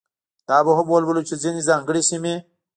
دا به هم ولولو چې ځینې ځانګړې سیمې.